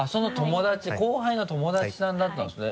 後輩の友達さんだったんですね。